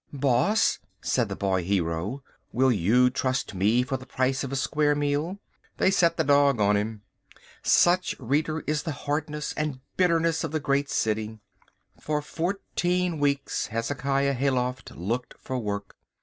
"Boss," said the boy hero, "will you trust me for the price of a square meal?" They set the dog on him. Such, reader, is the hardness and bitterness of the Great City. For fourteen weeks Hezekiah Hayloft looked for work.